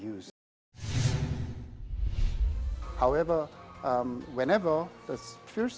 jadi dalam tiga generasi truk